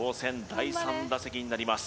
第３打席になります